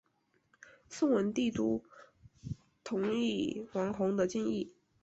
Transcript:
宋文帝都同意王弘的建议。